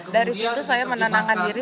dari situ saya menenangkan diri